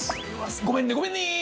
ごめんねごめんね！